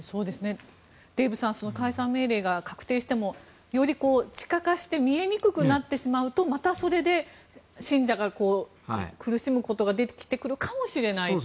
デーブさん解散命令が確定してもより地下化して見えにくくなってしまうとまたそれで信者が苦しむことが出てくるかもしれないと。